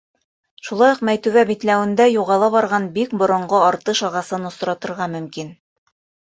Шулай уҡ Мәйтүбә битләүендә юғала барған бик боронғо артыш ағасын осратырға мөмкин.